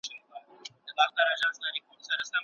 ایا نوي کروندګر چارمغز پلوري؟